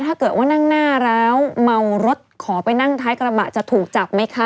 ถ้าเกิดว่านั่งหน้าแล้วเมารถขอไปนั่งท้ายกระบะจะถูกจับไหมคะ